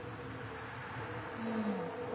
うん。